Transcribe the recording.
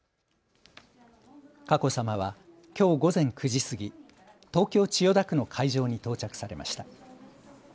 佳子さまはきょう午前９時過ぎ、東京千代田区の会場に到着されました。